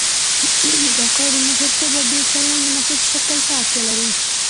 دا کار د مشرتوب او د چلند مناسب شکل ته اړتیا لري.